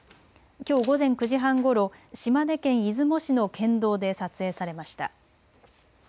きょう午前９時半ごろ、島根県出雲市の県道で撮影されました。